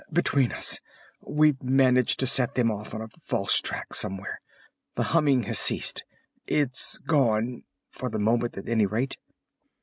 "Between us, we've managed to set them off on a false tack somewhere. The humming has ceased. It's gone—for the moment at any rate!"